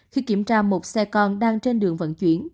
khi kiểm tra một xe con đang trên đường vận chuyển